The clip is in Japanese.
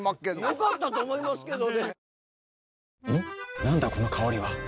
よかったと思いますけどね。